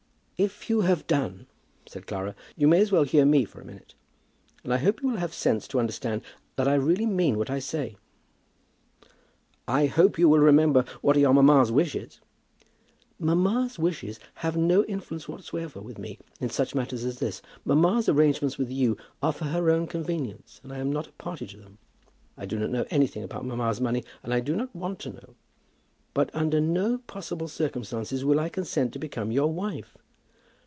"If you have done," said Clara, "you may as well hear me for a minute. And I hope you will have sense to understand that I really mean what I say." "I hope you will remember what are your mamma's wishes." "Mamma's wishes have no influence whatsoever with me in such matters as this. Mamma's arrangements with you are for her own convenience, and I am not a party to them. I do not know anything about mamma's money, and I do not want to know. But under no possible circumstances will I consent to become your wife.